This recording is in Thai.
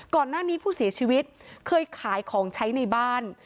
ก่อนหน้านี้ผู้เสียชีวิตเคยขายของใช้ในบ้าน